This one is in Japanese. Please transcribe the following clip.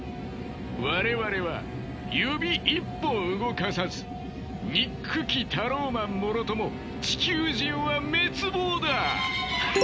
我々は指一本動かさず憎きタローマンもろとも地球人は滅亡だ！ハハハハハハ！